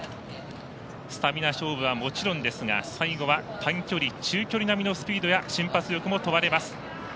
スタミナ勝負はもちろんですが最後は短距離中距離並みのスピードや瞬発力も問われます。